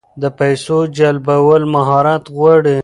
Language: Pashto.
د پیسو جلبول مهارت غواړي.